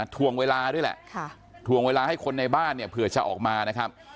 ถ่วงเวลาด้วยแหละถ่วงเวลาให้คนในบ้านเนี่ยเผื่อจะออกมานะครับ